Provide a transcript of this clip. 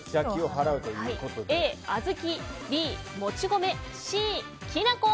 Ａ、小豆Ｂ、もち米Ｃ、きな粉。